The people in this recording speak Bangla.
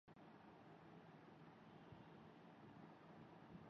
সরকার এই অভিযোগ খণ্ডন করে বলেছে যে ট্রাস্ট কেবল অবসরপ্রাপ্ত শিক্ষকদের জন্য তহবিল সরবরাহ করে।